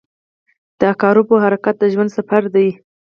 • د عقربو حرکت د ژوند سفر دی.